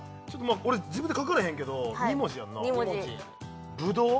俺自分で書かれへんけど２文字やんな２文字葡萄？